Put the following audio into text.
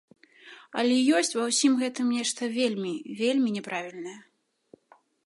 Але ёсць ва ўсім гэтым нешта вельмі, вельмі няправільнае.